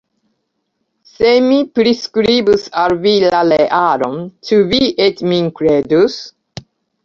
Se mi priskribus al vi la realon, ĉu vi eĉ min kredus?